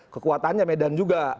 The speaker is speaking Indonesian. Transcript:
kekuatannya medan juga